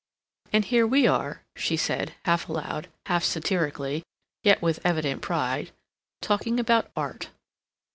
"And here we are," she said, half aloud, half satirically, yet with evident pride, "talking about art."